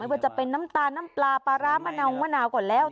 ว่าจะเป็นน้ำตาลน้ำปลาปลาร้ามะนาวมะนาวก่อนแล้ว